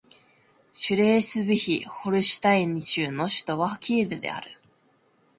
シュレースヴィヒ＝ホルシュタイン州の州都はキールである